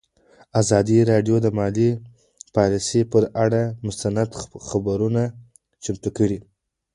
ازادي راډیو د مالي پالیسي پر اړه مستند خپرونه چمتو کړې.